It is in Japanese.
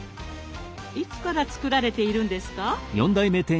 いつから作られているんですか？